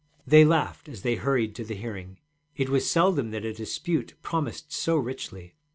They laughed as they hurried to the hearing: it was seldom that a dispute promised so richly.